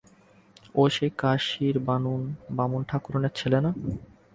ওই সেই কাশীর বামুন ঠাকরুনের ছেলে না?